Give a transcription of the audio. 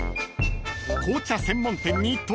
［紅茶専門店に到着］